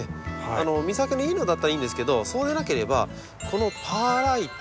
水はけのいいのだったらいいんですけどそうでなければこのパーライト。